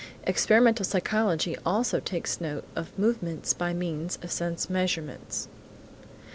Experimental psychology also takes note of movements by means of sense measurements.